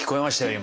今。